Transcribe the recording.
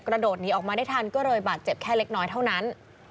โดดหนีออกมาได้ทันก็เลยบาดเจ็บแค่เล็กน้อยเท่านั้น